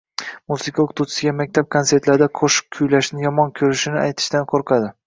Musiqa o‘qituvchisiga maktab konsertlarida qo‘shiq kuylashni yomon ko‘rishini aytishdan qo‘rqadi.